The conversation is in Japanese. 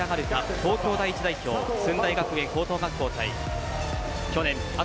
東京第１代表駿台学園高等学校対去年あと